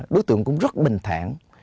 đối tượng cũng rất bình thẳng